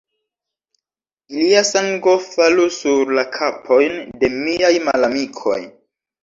Ilia sango falu sur la kapojn de miaj malamikoj!